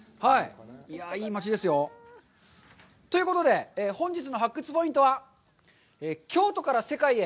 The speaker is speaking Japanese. いい町ですよ。ということで、本日の発掘ポイントは、「京都から世界へ！